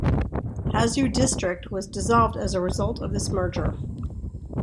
Hazu District was dissolved as a result of this merger.